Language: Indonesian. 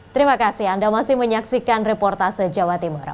terima kasih anda masih menyaksikan reportase jawa timur